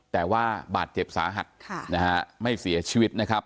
แต่ว่าบาดเจ็บสาหัสนะฮะไม่เสียชีวิตนะครับ